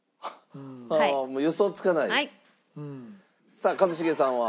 さあ一茂さんは？